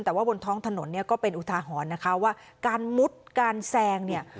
แต่ว่าบนท้องถนนเนี่ยก็เป็นอุทาหรณ์นะคะว่าการมุดการแซงเนี่ย